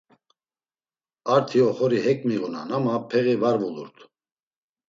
Arti oxori hek miğunan ama peği var vulurt.